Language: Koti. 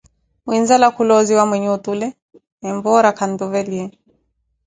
Muinzala khuloziwa mwinhe otule, empora khantuveliye